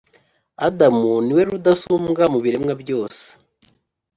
Adamu ni we rudasumbwa mu biremwa byose.